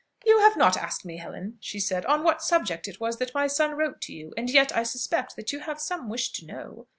"You have not asked me, Helen," she said, "on what subject it was that my son wrote to you; and yet I suspect that you have some wish to know.